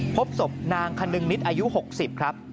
พบศพนางคนึงนิดอายุ๖๐ครับ